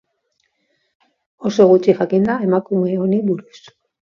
Oso gutxi jakin da emakume honi buruz.